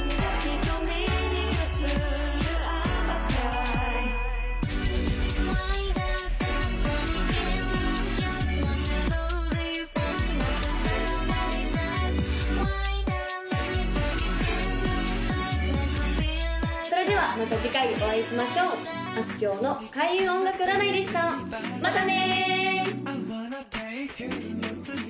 コピーライトそれではまた次回お会いしましょうあすきょうの開運音楽占いでしたまたね